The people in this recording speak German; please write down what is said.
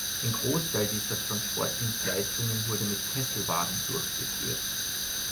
Ein Großteil dieser Transportdienstleistungen wurde mit Kesselwagen durchgeführt.